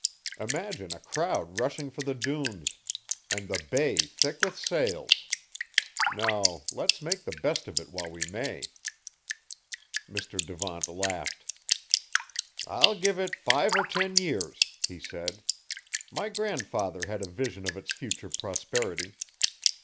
Imagine a crowd rushing for the dunes, and the bay thick with sails! No! Let's make the best of it while we may." Mr. Devant laughed. "I'll give it five or ten years," he said. "My grandfather had a vision of its future prosperity.